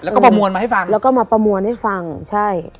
แล้วก็ประมวลมาให้ฟังแล้วก็มาประมวลให้ฟังใช่